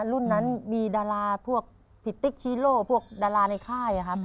รุ่นนั้นมีดาราพวกผิดติ๊กชีโร่พวกดาราในค่ายครับ